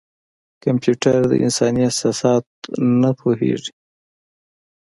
کمپیوټر د انساني احساساتو نه پوهېږي.